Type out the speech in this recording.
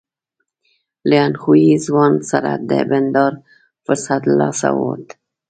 له اندخویي ځوان سره د بنډار فرصت له لاسه ووت.